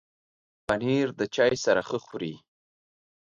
پنېر د چای سره ښه خوري.